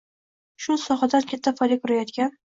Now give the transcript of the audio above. shu sohadan katta foyda ko‘rayotgan